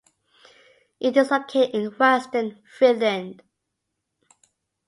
It is located in Western Finland.